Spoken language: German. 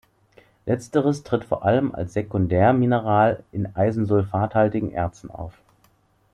Letzteres tritt vor allem als Sekundärmineral in Eisensulfat-haltigen Erzen auf.